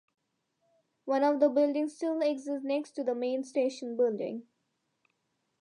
One of the buildings still exist next to the main station building.